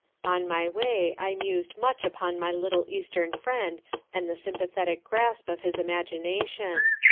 On my way I mused much upon my little Eastern friend and the sympathetic grasp of his imagination.